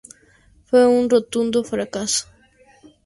Fue un rotundo fracaso.